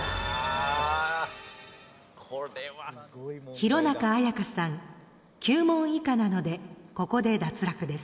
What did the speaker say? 弘中綾香さん９問以下なのでここで脱落です。